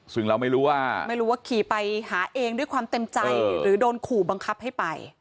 ซึ่งเราไม่รู้ว่าไม่รู้ว่าขี่ไปหาเองด้วยความเต็มใจหรือโดนขู่บังคับให้ไป